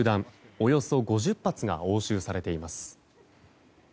およそ５０発が押収されています。